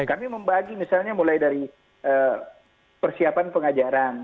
kami membagi misalnya mulai dari persiapan pengajaran